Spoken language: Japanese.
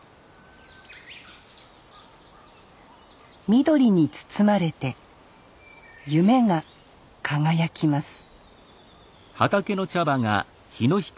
緑に包まれて夢が輝きます